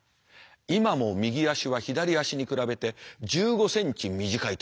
今も右足は左足に比べて１５ｃｍ短いという。